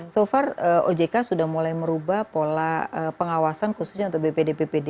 so far ojk sudah mulai merubah pola pengawasan khususnya untuk bpd bpd